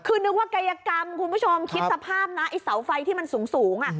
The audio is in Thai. คือนึกว่ากายกรรมคุณผู้ชมคิดสภาพนะไอ้เสาไฟที่มันสูง